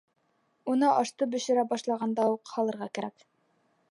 Уны ашты бешерә башлағанда уҡ һалырға кәрәк.